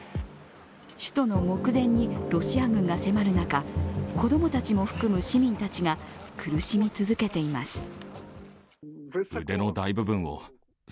首都の目前にロシア軍が迫る中子供たちも含む市民たちが苦しみ続けています。